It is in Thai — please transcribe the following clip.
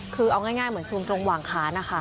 คือเอาง่ายเหมือนซูมตรงหว่างค้านนะคะ